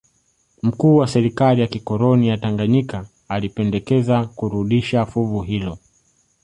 Mkuu wa serikali ya kikoloni ya Tanganyika alipendekeza kurudisha fuvu hilo